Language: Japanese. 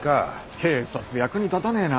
警察役に立たねえな。